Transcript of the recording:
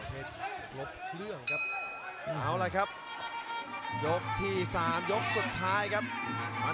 พยายามเล่นเกมเสียบเข้าขวา